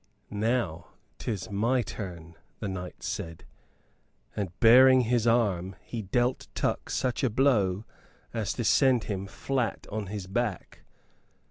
"Now, 'tis my turn," the knight said; and, baring his arm, he dealt Tuck such a blow as to send him flat upon his back.